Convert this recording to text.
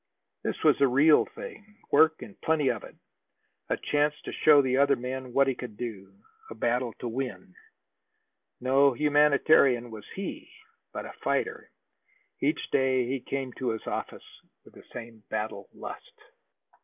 This was the real thing work and plenty of it, a chance to show the other men what he could do, a battle to win! No humanitarian was he, but a fighter: each day he came to his office with the same battle lust.